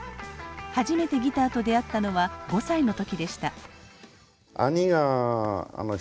初めてギターと出会ったのは５歳の時でした。